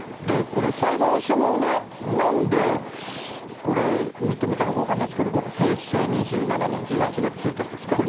これ、裁判所もね、なんで、これ認めたのか分かんないですけど、平成２７年１１月１日ですか。